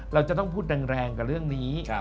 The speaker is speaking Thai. เราจะต้องพูดแรงกับเรื่องนี้